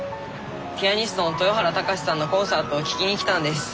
ピアニストの豊原貴史さんのコンサートを聴きに来たんです。